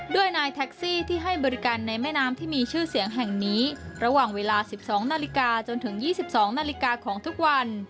ด้วยนายแท็กซี่ที่ให้บริการในแม่น้ำที่มีชื่อเสียงแห่งนี้ระหว่างเวลา๑๒นาฬิกาจนถึง๒๒นาฬิกาของทุกวัน